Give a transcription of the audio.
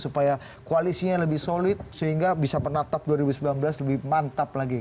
supaya koalisinya lebih solid sehingga bisa menatap dua ribu sembilan belas lebih mantap lagi